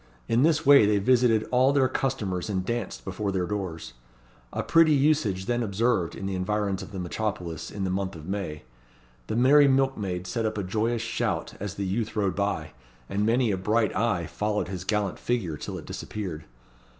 In this way they visited all their customers and danced before their doors. A pretty usage then observed in the environs of the metropolis in the month of May. The merry milkmaids set up a joyous shout as the youth rode by; and many a bright eye followed his gallant figure till it disappeared.